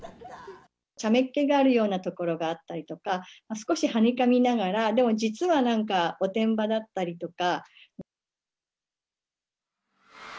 ちゃめっ気があるようなところがあったりとか、少しはにかみながら、でも実はなんか、おてんばだったりとか。